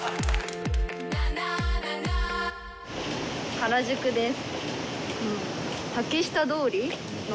原宿です。